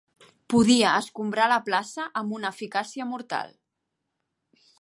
Podia escombrar la plaça amb una eficàcia mortal